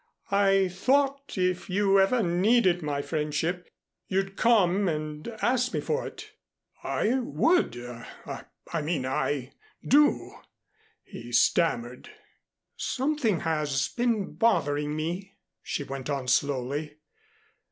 I thought if you ever needed my friendship you'd come and ask me for it." "I would I mean, I do," he stammered. "Something has been bothering me," she went on slowly.